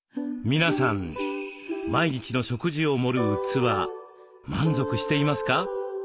皆さん毎日の食事を盛る器満足していますか？